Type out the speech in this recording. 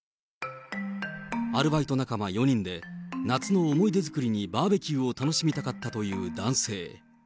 アルバイト仲間４人で、夏の思い出作りにバーベキューを楽しみたかったという男性。